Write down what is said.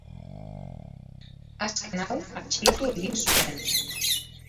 Azken hau atxilotu egin zuten.